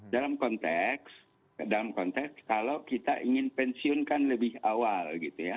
dalam konteks kalau kita ingin pensiunkan lebih awal